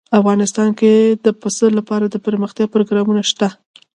افغانستان کې د پسه لپاره دپرمختیا پروګرامونه شته.